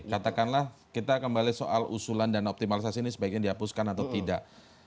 katakanlah kita kembali soal usulan dana optimalisasi ini sebaiknya dihapuskan atau tidak